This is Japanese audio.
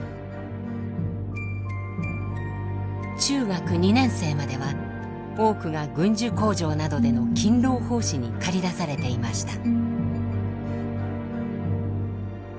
中学２年生までは多くが軍需工場などでの勤労奉仕に駆り出されていました。